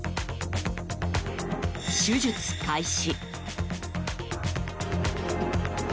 手術開始。